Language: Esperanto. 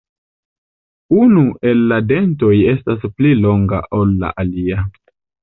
Unu el la dentoj estas pli longa ol la alia.